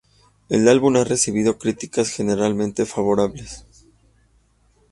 El álbum ha recibido críticas generalmente favorables.